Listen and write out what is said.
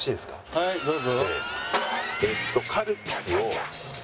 はいどうぞ。